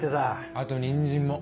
あとニンジンも。